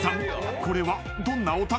これは］